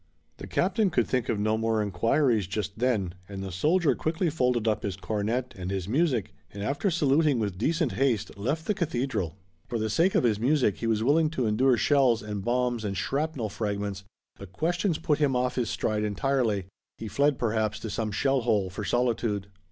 The captain could think of no more inquiries just then and the soldier quickly folded up his cornet and his music and after saluting with decent haste left the cathedral. For the sake of his music he was willing to endure shells and bombs and shrapnel fragments but questions put him off his stride entirely. He fled, perhaps, to some shell hole for solitude.